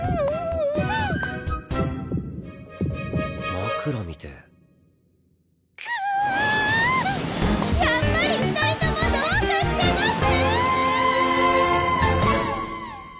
枕みてえやっぱり二人ともどうかしてます！